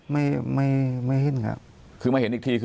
ได้ปิดได้ตอนนั้นไม่เห็นครับ